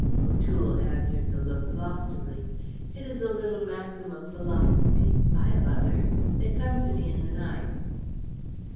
O'Toole answered the look loftily. "It is a little maxim of philosophy. I have others. They come to me in the night."